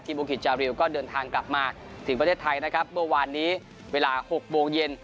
บุกิจจาริวก็เดินทางกลับมาถึงประเทศไทยนะครับเมื่อวานนี้เวลา๖โมงเย็น